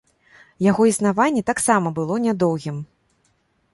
Яго існаванне таксама было нядоўгім.